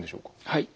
はい。